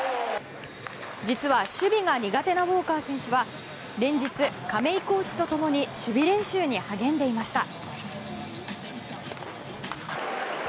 実は守備が苦手なウォーカー選手は連日、亀井コーチと共に守備練習に励んでいました。